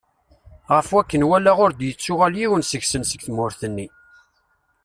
Ɣef wakk-n cukkeɣ, ur d-yettuɣal yiwen seg-sen seg tmurt-nni.